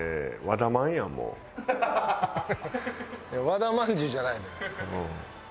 和田まんじゅうじゃないのよ。